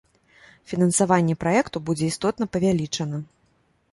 Фінансаванне праекту будзе істотна павялічана.